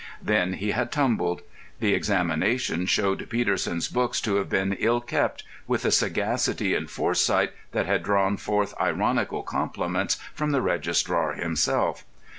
Then he had "tumbled." The examination showed Peterson's books to have been ill kept with a sagacity and foresight that had drawn forth ironical compliments from the registrar himself.